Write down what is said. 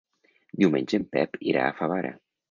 Diumenge en Pep irà a Favara.